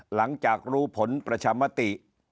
หลังจากรู้ผลประชามติ